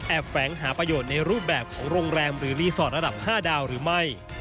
แฝงหาประโยชน์ในรูปแบบของโรงแรมหรือรีสอร์ทระดับ๕ดาวหรือไม่